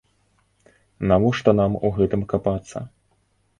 Навошта нам у гэтым капацца!